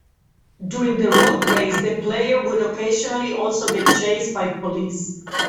During the road race the player would occasionally also get chased by police.